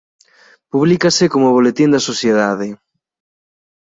Publícase como boletín da sociedade.